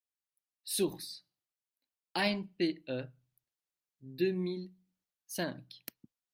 Source : ANPE, deux mille cinq.